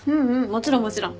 もちろんもちろん。